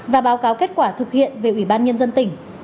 và báo cáo kết quả thực hiện về ủy ban nhân dân tỉnh